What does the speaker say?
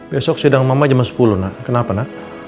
besok sidang mama jam sepuluh nak kenapa nak